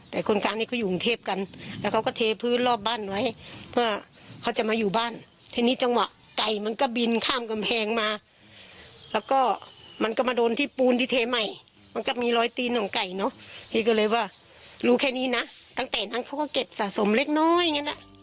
ตั้งแต่นั้นเขาก็เก็บสะสมเล็กน้อยอย่างนั้น